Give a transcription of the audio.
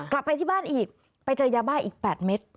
กลับไปที่บ้านอีกไปเจอยาบ้าอีก๘เม็ด